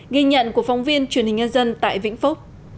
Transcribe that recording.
ghi nhận của phóng viên truyền hình nhân dân tại vĩnh phúc